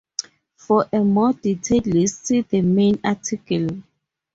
For a more detailed list see the main article.